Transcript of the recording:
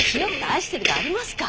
愛してるがありますか！